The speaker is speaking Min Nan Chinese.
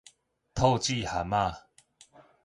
吐舌蚶仔